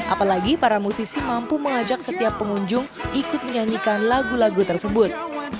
apalagi para musisi mampu mengajak setiap pengunjung ikut menyanyikan lagu lagu tersebut